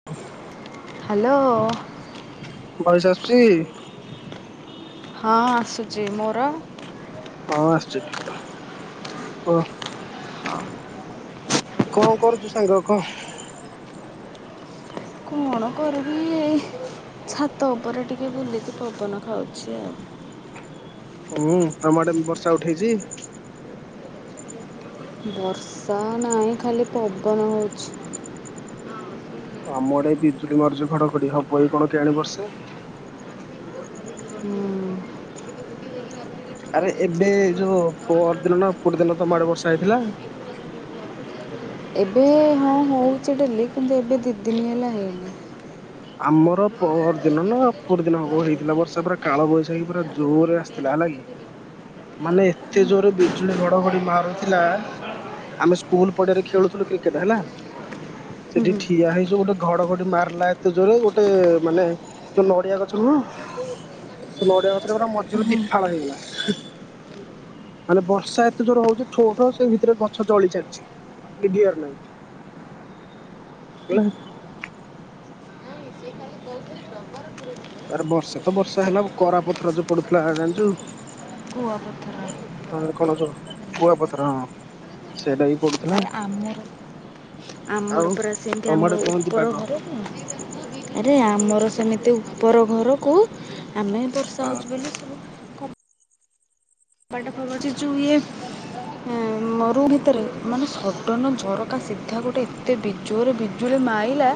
[unintelligible] Hello. Voice ଆସୁଛି? ହଁ ଆସୁଛି‌। ମୋର? ହଁ ଆସୁଛି। ଟିକେ ରୁହ। କୁହ? ହଁ। କଣ କରୁଛୁ ସାଙ୍ଗ କହ? କଣ କରିବି ଏଇ ଛାତ ଉପରେ ଟିକେ ବୁଲିକି ପବନ ଖାଉଛି ଆଉ। ହୁଁ, ତମ ଆଡ଼େ ବର୍ଷା ଉଠେଇଛି? ବର୍ଷା ନାହିଁ ଖାଲି ପବନ ହଉଛି। ଆମ ଆଡ଼େ ଏଇ ବିଜୁଳି ମାରୁଛି ଘଡ଼ଘଡ଼ି, ହବ କି କଣ କେଇଆଣି ବର୍ଷା। ହୁଁ। ଆରେ ଏବେ ଯୋଉ ପହର ଦିନ ନା ଅପୁରି ଦିନ ତମ ଆଡ଼େ ବର୍ଷା ହେଇଥିଲା? ଏବେ ହଁ ହଉଛି ଡେଲି। କିନ୍ତୁ ଏବେ ଦି ଦିନି ହେଲା ହେଇନି। ଆମର ପହର ଦିନ ନା ଅପୁରି ଦିନ ହବ ହେଇଥିଲା ବର୍ଷା। ପୁରା କାଳ ବୈଶାଖୀ ପୁରା ଜୋରରେ ଆସିଥିଲା ହେଲା କି। ମାନେ ଏତେ ଜୋରେ ବିଜୁଳି, ଘଡ଼ଘଡ଼ି ମାରୁଥିଲା। ଆମେ ସ୍କୁଲ ପଡ଼ିଆରେ ଖେଳୁଥିଲୁ କ୍ରିକେଟ ହେଲା। ସେଠି ହୁଁ ଠିଆ ହେଇଛୁ ଗୋଟେ ଘଡ଼ଘଡ଼ି ମାରିଲା ଏତେ ଜୋରେ ଗୋଟେ ମାନେ ଯୋଉ ନଡ଼ିଆ ଗଛ ନୁହଁ ସେ ନଡ଼ିଆ ଗଛଟା ପୁରା ମଝିରୁ ହୁଁ ଦି ଫାଳ ହେଇଗଲା। ମାନେ ବର୍ଷା ଏତେ ଜୋର ହଉଛି ଠୋ ଠୋ ସେଇ ଭିତରେ ଗଛ ଜଳି ଚାଲିଛି। ଲିଭି ବାର ନାହଁ। ହୁଁ। [inaudible] ତାପରେ ବର୍ଷା ତ ବର୍ଷା ହେଲା କରା ପଥର ଯୋଉ ପଡୁଥିଲା ହେରା ଜାଣିଚୁ। କୁଆ ପଥର। କହନା କହନା ଯୋଉ କୁଆପଥର ହଁ ସେଇଟା ବିି ପଡୁଥିଲା। ଆରେ ଆମର ଆଉ ଆମର ପରା ସେମିତି ତମ ଆମର ଆଡେ କଣ ଏମିତି ଉପର ପାଗ? ଘରେ ଆରେ ଆମର ସେମିତି ଉପର ଘରକୁ ଆମେ ହିଁ ବର୍ଷା ହଁ ହେଉଛୁ ବୋଲି ସବୁ ରଛିିଛୁଏ ଉଁ ମ ରୁମ ଭିତରେ ମାନେ ସଡ଼ନ ଝରକା ସିଧା ଗୋଟେ ଏତେ ବି ଜୋରେ ବିଜୁଳି ମାଇଲା।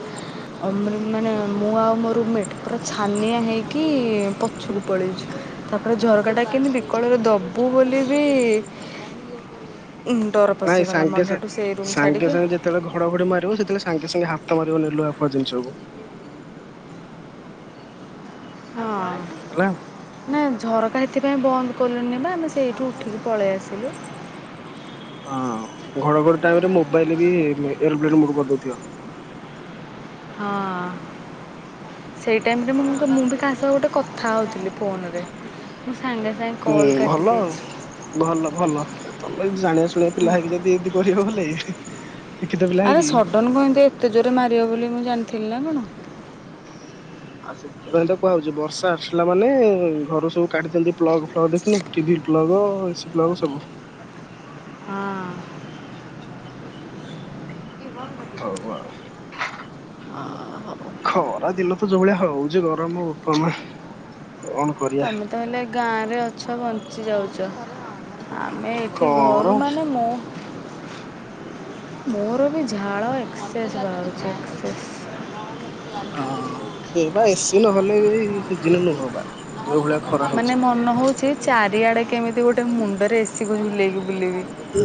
ଆମ ରୁ ମାନେ ମୁଁ ଆଉ ମୋ ରୁ ମେଟ୍ ପୁରା ଛାନିଆ ହେଇକି-ଇ-ଇ-ଇ ପଛକୁ ପଳେଇଛୁ। ତାପରେ ଝରକାଟା କେମିତି ବିକଳରେ ଦବୁ ବୋଲି ବି- ଇ-ଇ-ଇ ଉ ଡର ନାଇଁ ପଶିଗଲା ସାଙ୍ଗେ ମନରେ ସାଙ୍ଗେ ହେଇଠୁ ସେଇ ରୁମ୍ ସାଙ୍ଗେ ଛାଡ଼ିକି ସାଙ୍ଗେ ଯେତେବେଳେ ଘଡଘଡି ମାରିବ ସେତେବେଳେ ସାଙ୍ଗେ ସାଙ୍ଗେ ହାତ ମାରିବନି ଲୁହାଫୁଆ ଜିନିଷକୁ। ହଁ। ହେଲା। ନା ଝରକା ସେଥିପାଇଁ ବନ୍ଦ କଲୁନି ବା ଆମେ ସେଇଠୁ ଉଠିକି ପଳେଇ ଆସିଲୁ। ହଁ ଘଡଘଡି ଟାଇମରେ ମୋବାଇଲ ବି-ଇ-ଇଏ ଏୟରୋପ୍ଲେନ ମୁଡ କରି ଦଉଥିବ। ହଁ ସେଇ ଟାଇମରେ ହଁ ମୁଁ ମୁଁ ବି କାହା ସହ ଗୋଟେ କଥା ହେଉଥିଲି ଫୋନରେ। ମୁଁ ସାଙ୍ଗେ ସାଙ୍ଗେ ହୁଁ କଲ୍ ଭଲ ଆଉ କାଟିଦେଇଛି। ଭଲ ଭଲ ତମେ ଜାଣିବା ଶୁଣିବା ପିଲା ହେଇକି ଯଦି ଏନିତି କରିବ ବୋଲେ। ଶିକ୍ଷିତ ପିଲା ଆରେ ହେଇକି ସଡ଼ନ କଣ ଏମିତି ଏତେ ଜୋରେ ମାରିବ ବୋଲି ମୁଁ ଜାଣିଥିଲି ନା କଣ। ଆଉ ସେଥିପାଇଁ ତ କୁହା ହଉଛି ବର୍ଷା ଆସିଲା ମାନେ-ଏ-ଏ ଘରୁ ସବୁ କାଢ଼ି ଦିଅନ୍ତି ପ୍ଲଗ ଫ୍ଲଗ ଦେଖିନୁ କି? T V plug A C plug ସବୁ। ହଁ। [unintelligible] ହଉ ଆଉ। ହଉ ଖରା ଦିନ ତ ଯୋଉ ଭଳିଆ ହଉଛି ଗରମ ବୋପା ମା କଣ କରିବା ତମେ ତ ହେଲେ ଗାଁ ରେ ଅଛ ବଞ୍ଚି ଯାଉଛ ଆମେ ଏଠି କଣ ଘରୁ ହଁ ମାନେ ମୁଁ ମୋର ବି ଝାଳ ଏକ୍ସସେସ ବାହାରୁଛି ଏକ୍ସସେସ। ହଁ ସେ ବା ଏ ସି ନହେଲେ ବି ସିଜିନ୍ ନୁହବା। ମାନେ ମନ ହଉଛି ଚାରିଆଡେ କେମିତି ଗୋଟେ ମୁଣ୍ଡରେ ଏ ସି କୁ ଝୁଲେଇକି ବୁଲିବି। ହ।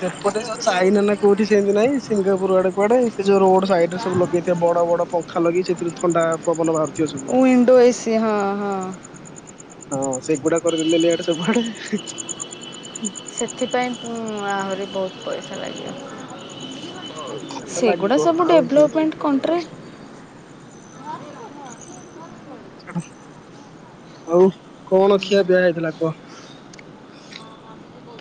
ସେପଟେ ଯୋଉ ଚାଇନା ନା କୋଉଠି ସେମିତି ନାଇଁ ସିଙ୍ଗାପୁର ଆଡେ କୁଆଡେ ସେ ଯୋଉ ରୋଡ ସାଇଡ ରେ ସବୁ ଲଗେଇଥିବେ ବଡ ବଡ ପଙ୍ଖା ଲାଗେଇ ସେଥିରୁ ଥଣ୍ଡା ପବନ ବାହାରୁଥିବ ସବୁ। ଓ ଇଣ୍ଡୋ ଏ ସି ହଁ ହଁ। ହଁ ସେଗୁଡା କରିଦେଲେନି ଇଆଡେ ସବୁଆଡେ। ସେଥିପାଇଁ ଉ-ଉ ଆହୁରି ବହୁତ ପଇସା ଲାଗିବ। ପଇସା ତ ଲାଗିବ ଆଉ ଯୋଉ କଣଟ୍ରି ଛାଡ ଆଉ କଣ ଖିଆ ପିଆ ହେଇଥିଲା କୁହ?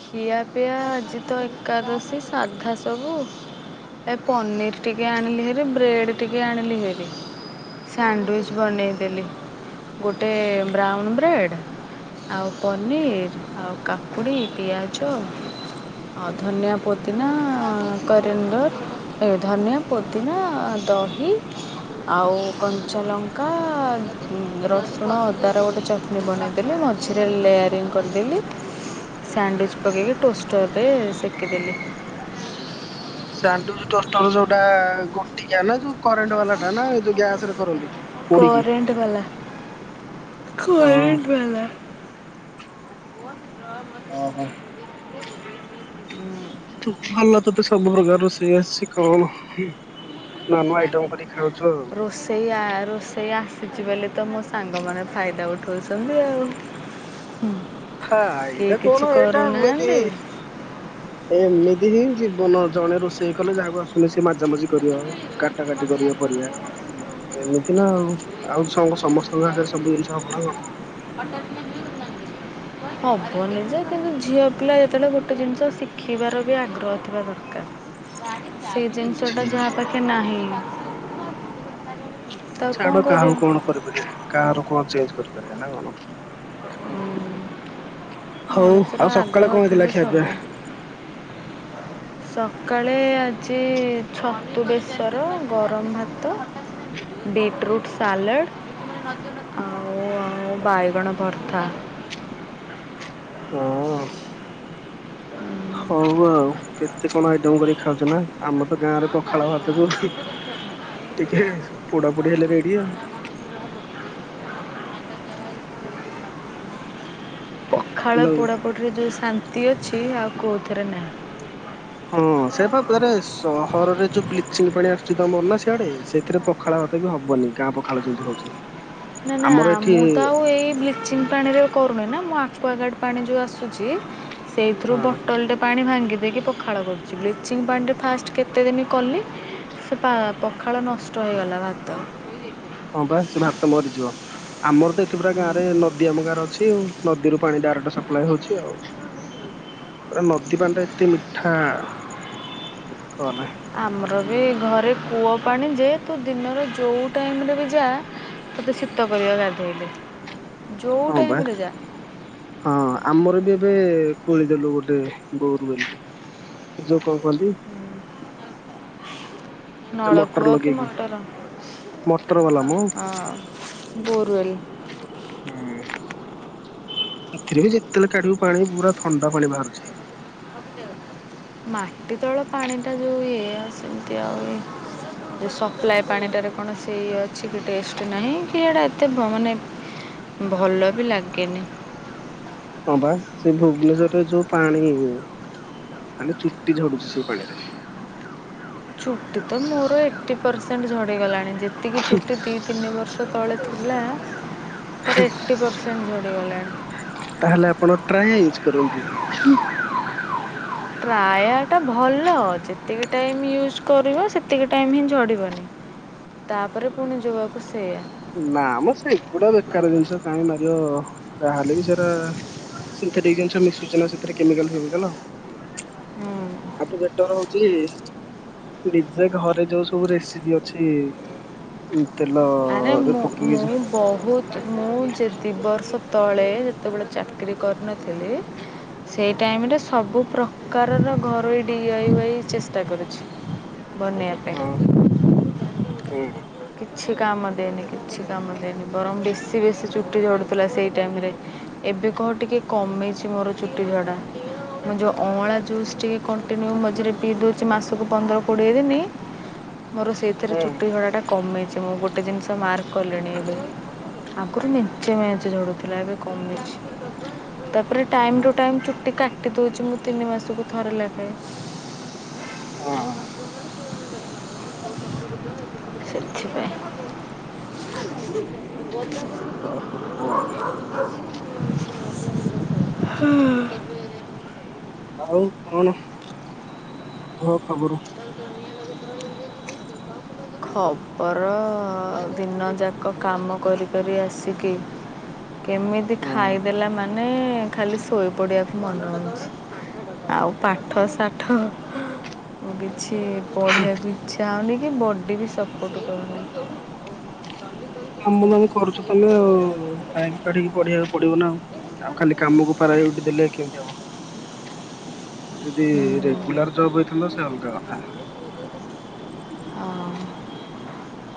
ଖିଆପିଆ ଆଜି ତ ଏକାଦଶୀ ସାଧା ସବୁ। ଏ ପନିର୍ ଟିକେ ଆଣିଲି ହେରି ବ୍ରେଡ଼ ଟିକେ ଆଣିଲି ହେରି। ସ୍ୟାଣ୍ଡୁଇଜ୍ ବନେଇଦେଲି। ଗୋଟେ ବ୍ରାଉନ୍ ବ୍ରେଡ଼୍, ଆଉ ପନିର୍, ଆଉ କାକୁଡ଼ି। ପିଆଜ ଆଉ ଧନିଆ ପୋଦିନା-ଆ-ଆ-ଆ କରିଏଣ୍ଡର୍। ଏ ଧନିଆ, ପୋଦିନା, ଦହି ଆଉ କଞ୍ଚାଲଙ୍କା ରସୁଣ ଅଦାର ଗୋଟେ ଚଟ ବନେଇଦେଲି ମଝିରେ ଲେୟାରିଙ୍ଗ୍ କରିଦେଲି। ସ୍ୟାଣ୍ଡୁଇଜ୍ ପକେଇକି ଟୋଷ୍ଟରେ ସେକିଦେଲି। ସ୍ୟାଣ୍ଡୁଇଜ୍ ଟୋଷ୍ଟର ଯୋଉଟା ଗୋଟିକିଆ ନା ଯୋଉ କରେଣ୍ଟ ବାଲା ଟା ନା ଯୋଉ ଗ୍ୟାସ ରେ କରନ୍ତି। ପୋଡିକି କରେଣ୍ଟ ବାଲା ହଁ କରେଣ୍ଟ ବାଲା। [unintelligible] ଓହୋ। ତୁ ଭଲ ତତେ ସବୁ ପ୍ରକାର ରୋଷେଇ ଆସିଛି କର। ନୂଆ ନୂଆ ଆଇଟମ୍ କରି ଖାଉଛୁ ଆଉ। ରୋଷେଇ ଆ ରୋଷେଇ ଆସିଛି ବୋଲି ତ ମୋ ସାଙ୍ଗ ମାନେ ଫାଇଦା ଉଠଉଛନ୍ତି ଆଉ। ହୁଁ। ଫାଇଦା କଣ ଏଇଟା ଏମିତି ଏମିତି ହିଁ ଜୀବନ ଜଣେ ରୋଷେଇ କଲେ ଯାହାକୁ ଆସୁନି ସେ ମାଜାମାଜି କରିବ। କାଟା କାଟି କରିବ ପରିବା। ଏମିତି ନା ଆଉ ଆଉ ସଙ୍ଗ ସମସ୍ତଙ୍କ ହାତରେ ସବୁ ଜିନିଷ ହବ ନା କଣ। [unintelligible] ହବନି ଜେ କିନ୍ତୁ ଝିଅ ପିଲା ଯେତେବେଳେ ଗୋଟେ ଜିନିଷ ଶିଖିବାର ବି ଆଗ୍ରହ ଥିବା ଦରକାର। ସେ ଜିନିଷ ଟା ଝି ଯାହା ପାଖରେ ନାହିଁ ହ ତାକୁ କଣ ଛାଡ କରିବ? କାହାକୁ କଣ କରିପାରିବା କାହାର କଣ ଚେଞ୍ଜ କରିପାରିବା ନା କଣ। ହଉ ମଣିଷର ଆଉ ସକାଳେ ଆଗ୍ରହ କଣ ଥିଲେ ହେଇଥିଲା ଖିଆ ପିଆ। ସବୁ। [inaudible] ସକାଳେ ଆଜି ଛତୁ ବେସର ଗରମ ଭାତ ବିଟରୁଟ୍ ସାଲାଟ୍ ଆଉ ଆଉ ବାଇଗଣ ଭର୍ତ୍ତା। ଉଁ। ହଉ ଆଉ କେତେ କଣ ଆଇଟମ୍ କରିକି ଖାଉଛ ନା ଆମର ତ ଗାଁରେ ପଖାଳ ଭାତକୁ ଟିକେ ପୋଡାପୋଡି ହେଲେ ରେଡି ଆଉ। ପଖାଳ ହାଲୋ ପୋଡ଼ାପୋଡିରେ ଯଉ ଶାନ୍ତି ଅଛି ଆଉ କେଉଥେରେ ନାହିଁ। ହଁ ସେଇଆପା ଆରେ ସହରରେ ଯୋଉ ବ୍ଲିଚିଂ ପାଣି ଆସୁଛି ତମର ନା ସିଆଡେ ସେଥିରେ ପ ପଖାଳ ଭାତ ବି ହବନି ଗାଁ ପଖାଳ ଯେମିତି ହଉଛି। ନା ନା ଆମର ଏଠି ମୁଁ ତ ଆଉ ଏଇ ବ୍ଲି ବ୍ଲିଚିଂ ପାଣିରେ କରୁନି ନା ମୁଁ ଆକ୍ୱାଗାର୍ଡ଼ ପାଣି ଯେଉଁ ଆସୁଛି ସେଇଥିରୁ ହଁ ବଟଲଟେ ପାଣି ଭାଙ୍ଗି ଦେଇକି ପଖାଳ କରୁଛି ବ୍ଲିଚିଙ୍ଗ ପାଣିରେ ଫାଷ୍ଟ୍ କେତେଦିନ କଲି ସେ ପା ପଖାଳ ନଷ୍ଟ ହେଇଗଲା ଭାତ। ହଁ ପା ସେ ଭାତ ମରିଯିବ। ଆମର ତ ଏଠି ପୁରା ଗାଁରେ ନଦୀ ଆମ ଗାଁରେ ଅଛି ଆଉ ନଦୀରୁ ପାଣି ଡାଇରେକ୍ଟ୍ ସପ୍ଲାଏ ହଉଛି ଆଉ। [unintelligible] ପୁରା ନଦୀ ପାଣି ଟା ଏତେ ମିଠା କହନା। ଆମର ବି ଘରେ କୂଅ ପାଣି ଯେ ତୁ ଦିନର ଯେଉଁ ଟାଇମ୍ ରେ ବି ଯା ତତେ ଶୀତ କରିବ ଗାଧେଇଲେ। ଯେଉଁ ହଁ ବା। ଟାଇମ୍ରେ ଯା ହଁହଁ ଆମର ବି ଏବେ ଖୋଳିଦେଲୁ ଗୋଟେ ବୋରୁୱେଲ୍। ଏ ଯଉ କଣ କହନ୍ତି? ସେ ମଟର ନଳକୂଅ କି ଲଗେଇକି ମଟର ମଟର ବାଲା ମ ହୁଁ ହଁ ବୋରୱେଲ। ହୁଁ ଏଥିରେ ବି ଯେତେବେଳେ କାଢ଼ିବୁ ପାଣି ପୁରା ଥଣ୍ଡା ପାଣି ବାହାରୁଛି। ମାଟି ତଳ ପାଣି ଟା ଯଉ ଇଏ ଆଉ ସେମିତି ଆଉ ଏ ସପ୍ଲାଏ ପାଣି ଟାରେ କଣ ସେ ଅଛି କି ଟେଷ୍ଟ ନାହିଁ କି ଏଟା ଏତେ ବ୍ର ମାନେ ଭଲ ବି ଲାଗେନି। ହଁ ବା ସେ ଭୁବନେଶ୍ୱରରେ ଯୋଉ ପାଣି। ଖାଲି ଚୁଟି ଝଡ଼ୁଛି ସେଇ ପାଣି ରେ। ଚୁଟି ତ ମୋର ଏଇଟି ପର୍ସେଣ୍ଟ ଝଡ଼ିଗଲାଣି ଯେତିକି ଚୁଟି ଦିଇ ତିନି ବର୍ଷ ତ ତଳେ ଥିଲା ତାର ଏଇଟି ପର୍ସେଣ୍ଟ ଯଡ଼ିଗଲାଣି। ତାହେଲେ ଆପଣ ଟ୍ରାୟା ୟୁଜ୍ କରନ୍ତୁ। ଟ୍ରାୟା ଟା ଭଲ ଯେତିକି ଟାଇମ ୟୁଜ କରିବ ସେତିକି ଟାଇମ ହିଁ ଝଡ଼ିବନି। ତାପରେ ପୁଣି ଯୋଉଆ କୁ ସେଇଆ। ନା ମ ସେଗୁଡ଼ା ବେକାର ଜିନିଷ କାହିଁ ମାରିବ ଯାହେଲେ ବି ସେରା ସିନ୍ଥେଟିକ୍ ଜିନିସ ମିଶୁଚି ନା ସେଥିରେ କେମିକାଲ ଫେମିକାଲ। ଆଠୁ ବେଟର ହୋଉଚି ନିଜେ ଘରେ ଯୋଉ ସବୁ ରେସିପି ଅଛି ଉଁ ତେଲ ଆରେ ମୁଁ ମୁଁ ବୋହୁ ମୁଁ ଯେ ଦି ବର୍ଷ ତଳେ ଯେତେବେଳେ ଚାକିରୀ କରିନଥିଲି। ସେହି ଟାଇମରେ ସବୁ ପ୍ରକାରର ଘରୋଇ ଡିଆଇ ୱାୟୀ ଚେଷ୍ଟା କରୁଛି। ବନେଇବା ପାଇଁ। ହୁଁ। କିଛି କାମ ଦିଏନି କିଛି କାମ ଦିଏନି ବରଂ ବେଶୀ ବେଶୀ ଚୁଟି ଝଡ଼ୁଥିଲା ସେଇ ଟାଇମରେ। ଏବେ କହ ଟିକେ କମେଇଛି ମୋର ଚୁଟି ଝଡ଼ା। ମୁଁ ଯୋଉ ଅଁଳା ଜୁସ୍ ଟିକେ କଣ୍ଟିନ୍ୟୁ ମଝିରେ ପିଇ ଦଉଛି ମାସକୁ ପନ୍ଦର କୋଡ଼ିଏ ଦିନି। ମୋର ସେଇଥିରେ ହୁଁ ଚୁଟି ଝଡ଼ା ଟା କମେଇଛି ମୁଁ ଗୋଟେ ଜିନିଷ ମାର୍କ କଲିଣି ଏବେ। ଆଗରୁ ମେଞ୍ଚେ ମେଞ୍ଚେ ଝଡ଼ୁଥିଲା ଏବେ କମି ଯାଇଛି [unintelligible] ତାପରେ ଟାଇମ୍ ହୁଁ ହୁଁ ଟୁ ଟାଇମ୍ ଚୁଟି କାଟି ଦୋଉଛି ମୁଁ ତିନି ମାସକୁ ଥରେ ଲାଖେ। ହଁ। ସେଥିପାଇଁ। ହଁ ହଉ ହଉ ଆଉ ହାଁ। ଆଉ କଣ କୁହ ଖବର? ଖବର ଆଉ ଦିନ ଯାକ କାମ କରି କରି ଆସିକି କେମିତି ହଁ ଖାଇଦେଲା ମାନେ ଖାଲି ଶୋଇ ପଡ଼ିବାକୁ ମନେ ହୋଉଛି ଆଉ ପାଠ ସାଠ ମୁଁ କିଛି ପଢ଼ିବାକୁ ଇଚ୍ଛା ହୋଉନି କି ବଡି ବି ସପୋର୍ଟ କରୁନି। କାମ ଦାମ କରୁଛ ତମେ ଆଉ ଟାଇମ କାଢ଼ିକି ପଢ଼ିବାକୁ ପଡ଼ିବ ନା ଆଉ। ଆଉ ଖାଲି କାମକୁ ପ୍ରାୟୁରୁଟିଦେଲେ କେମିତି ହବ? ଆଉ ଯଦି ରେଗୁଲାର ଜବ ହେଇଥାନ୍ତା ସେ ଅଲଗା କଥା। ହଁ।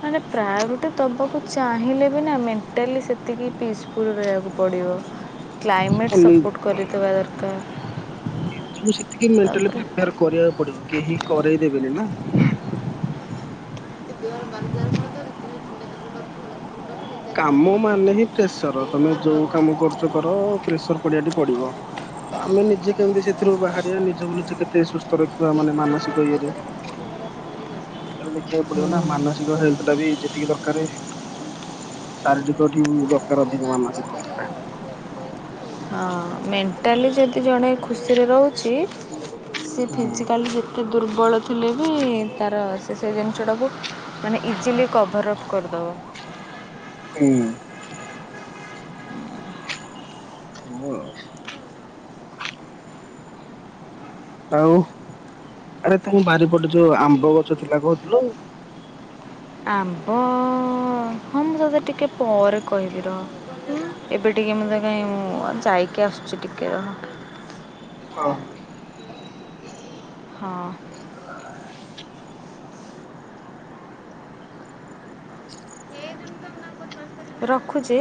ମାନେ ପ୍ରାୟରୁଟି ଦବାକୁ ଚାହିଁଲେ ବି ନା ମେଣ୍ଟାଲି ସେତିକି ପିସଫୁଲ ରହିବାକୁ ପଡ଼ିବ। କ୍ଲାଇମେଟ୍ ସପୋର୍ଟ କରିଥୁବା ଦରକାର। ନିଜକୁ ସେତିକି ମେଣ୍ଟାଲି ତାପରେ ପ୍ରିପେୟାର କରିବାକୁ ପଡ଼ିବ କେହି କରେଇ ଦେବେନି ନା ହୁଁ। ଦ ବ କାମ ମାନେ ହିଁ ପ୍ରେସର ତମେ ଯୋଉ କାମ କରୁଛ କର ପ୍ରେସର ପଡ଼ିବା ଟି ପଡ଼ିବ। ତ ଆମେ ନିଜେ କେମିତି ସେଥିରୁ ବାହାରିବା ନିଜକୁ ନିଜେ କେତେ ସୁସ୍ଥ ରଖିବା ମାନେ ମାନସିକ ଇଏରେ। ହୁଁ ସେଟା ଦେଖିବାକୁ ପଡ଼ିବ ନା ମାନସିକ ହେଲ୍ଥ ଟା ବି ଯେତିକି ଦରକାରେ। ଶାରୀରିକ ଠୁ ଦରକାର ଅଧିକ ମାନସିକତା। ହଁ ମେଣ୍ଟାଲି ଯଦି ଜଣେ ଖୁସିରେ ରହୁଛି ସି ହଁ। ଫିଜିକାଲି ଏତେ ଦୁର୍ବଳ ଥିଲେ ବି ତାର ସେ ସେ ଜିନିଷଟାକୁ ମାନେ ଇଜିଲି କଭର ଅଫ୍ କରିଦବ। ହୁଁ। ହଁ ଆଉ। ଆଉ ଆରେ ତମ ବାରିପଟେ ଯୋଉ ଆମ୍ବ ଗଛ ଥିଲା କହୁଥିଲୁ ଆମ୍ବ ହଁ ମୁଁ ତତେ ଟିକେ ପରେ କହିବି ରହ। ଉଁ ଏବେ ଟିକେ ମତେ କାହିଁ ମୁଁ ଯାଇକି ଆସୁଛି ଟିକେ ରହ। ହଉ। ହଁ। ରଖୁଛି।